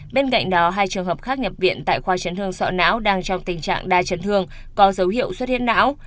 bên cạnh đó hai trường hợp khác nhập viện tại khoa chấn thương sọ não đang trong tình trạng đa chấn thương có dấu hiệu xuất hiện não